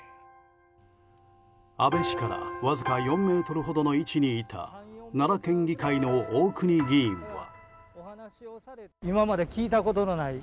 安倍氏からわずか４ｍほどの位置にいた奈良県議会の大国議員は。